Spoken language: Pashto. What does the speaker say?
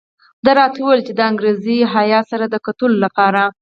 ده راته وویل چې د انګریزي هیات سره د کتلو لپاره.